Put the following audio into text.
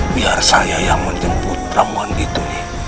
biar saya yang menjemput ramuan gitu